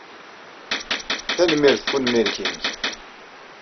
Tanemmirt ɣef unmireg-nnek.